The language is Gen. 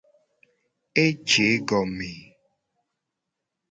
Eje egome.